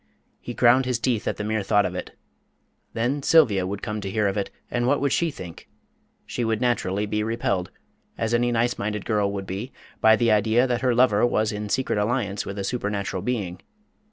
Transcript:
He ground his teeth at the mere thought of it. Then Sylvia would come to hear of it, and what would she think? She would naturally be repelled, as any nice minded girl would be, by the idea that her lover was in secret alliance with a supernatural being.